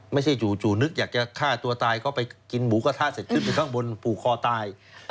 จู่นึกอยากจะฆ่าตัวตายก็ไปกินหมูกระทะเสร็จขึ้นไปข้างบนผูกคอตาย